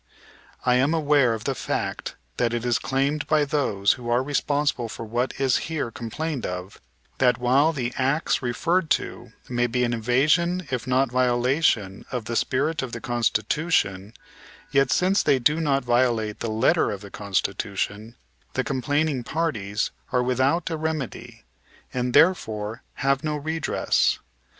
I am aware of the fact that it is claimed by those who are responsible for what is here complained of that, while the acts referred to may be an evasion if not a violation of the spirit of the Constitution, yet, since they do not violate the letter of the Constitution the complaining parties are without a remedy, and therefore have no redress.